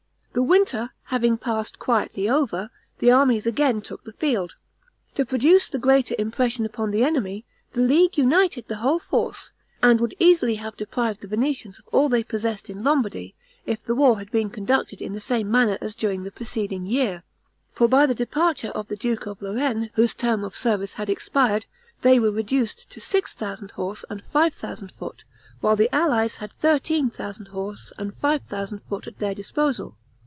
The winter having passed quietly over, the armies again took the field. To produce the greater impression upon the enemy, the League united their whole force, and would easily have deprived the Venetians of all they possessed in Lombardy, if the war had been conducted in the same manner as during the preceding year; for by the departure of the duke of Lorraine, whose term of service had expired, they were reduced to six thousand horse and five thousand foot, while the allies had thirteen thousand horse and five thousand foot at their disposal.